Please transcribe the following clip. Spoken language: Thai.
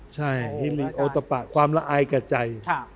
ใช่ที่มีโอตบากความละอายกับใจ